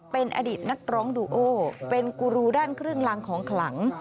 เป็นอดีตนักร้องดูโอเป็นกูรูด้านเครื่องลางของขลัง